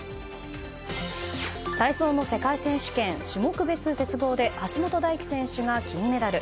体操の世界選手権、種目別鉄棒で橋本大輝選手が金メダル。